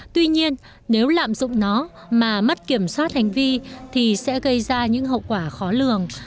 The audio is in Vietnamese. tuy nhiên nếu lạm dụng nó mà mất kiểm soát hành vi thì sẽ gây ra những hậu quả khó lường